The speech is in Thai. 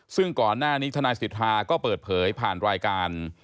ซึ่งก่อนหน้านี้ทนายสิทธาก็เปิดเผยผ่านรายการ